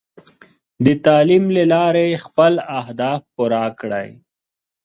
د تعلیم له لارې خپل اهداف پوره کړئ.